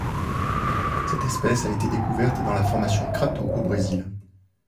Cette espèce a été découverte dans la formation Crato au Brésil.